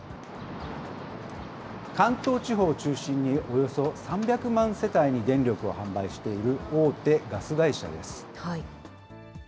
関東地方を中心におよそ３００万世帯に電力を販売している大手ガス会社です。